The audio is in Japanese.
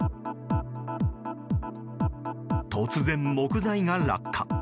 突然、木材が落下。